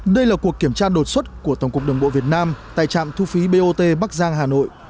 đây là cuộc kiểm tra đột xuất của tổng cục đường bộ việt nam tại trạm thu phí bot bắc giang hà nội